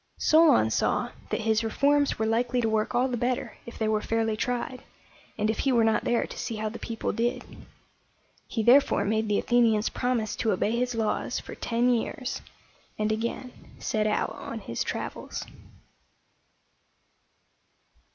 Solon saw that his reforms were likely to work all the better if they were fairly tried, and if he were not there to see how the people did. He therefore made the Athenians promise to obey his laws for ten years, and again set out on his travels.